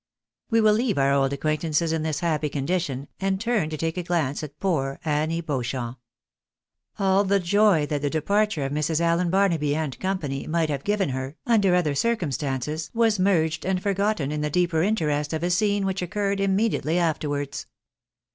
We will leave our old acquaintances in this happy condition, and turn to take a glance at poor Annie Beauchamp. All the joy that the departure of Mrs. Allen Barnaby and Co. might have given her, under other circumstances, was merged and forgotten in the deeper interest of a scene which occurred immediately after wards.